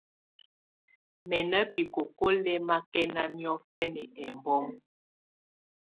Mɛ́ ná bikókó lɛ́mákɛ́ná niɔ̀fɛ́ná ɛmbɔ́ma.